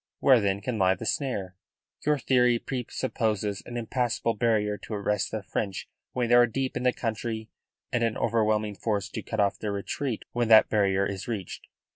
Where, then, can lie the snare? Your theory presupposes an impassable barrier to arrest the French when they are deep in the country and an overwhelming force to cut off their retreat when that barrier is reached.